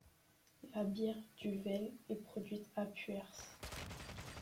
La bière Duvel est produite à Puers.